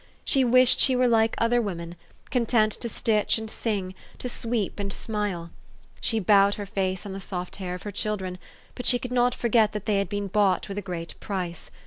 She wished she were like other women, content to stitch and sing, to sweep and smile. She bowed her face on the soft hair of her children ; but she could not forget that they had been bought with a great price.